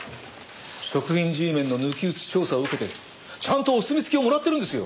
食品Ｇメンの抜き打ち調査を受けてちゃんとお墨付きをもらってるんですよ。